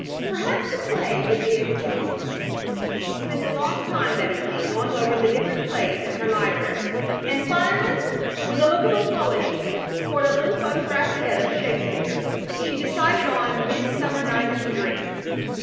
Perhaps the play would be able to help her. She spent a long time that evening going over the different plays in her library, and finally, with a look of apology toward a little photographed head of Shakespeare, she decided on "Midsummer Night's Dream."